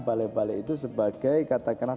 balai balai itu sebagai katakanlah